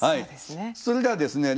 それではですね